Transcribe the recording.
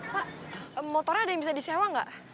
pak motornya ada yang bisa disewa nggak